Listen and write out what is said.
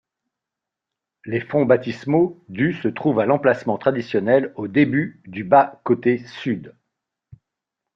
Les fonts baptismaux du se trouvent à l'emplacement traditionnel au début du bas-côté sud.